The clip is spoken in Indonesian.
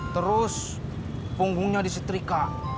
terus punggungnya disetrika